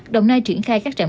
đồng nai triển khai các trạm